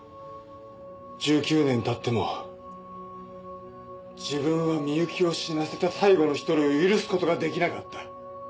１９年経っても自分は深雪を死なせた最後の１人を許すことができなかった！